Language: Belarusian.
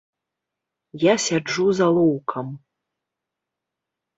Я сяджу з алоўкам.